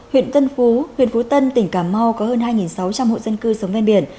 huyện tân phú huyện phú tân tỉnh cà mau có hơn hai sáu trăm linh hộ dân cư sống ven biển